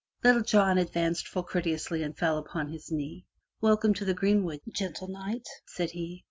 Little John advanced full courteously and fell upon his knee. "Welcome to the greenwood, gentle Knight," said he.